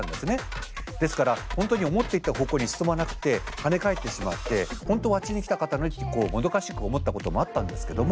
ですから本当に思っていた方向に進まなくて跳ね返ってしまって本当はあっちに行きたかったのにってこうもどかしく思ったこともあったんですけども。